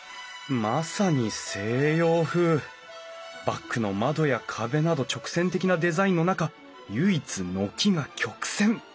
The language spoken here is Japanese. バックの窓や壁など直線的なデザインの中唯一軒が曲線。